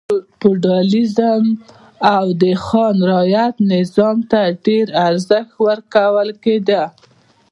فیوډالېزم او خان رعیت نظام ته ډېر ارزښت ورکول کېده.